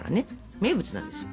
名物なんです。